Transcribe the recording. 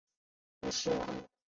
吴氏亡。